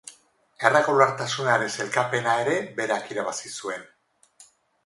Erregulartasunaren sailkapena ere berak irabazi zuen.